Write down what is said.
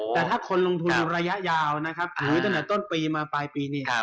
แต่ถ้าคนลงทุนระยะยาวนะครับหรือตั้งแต่ต้นปีมาปลายปีนี้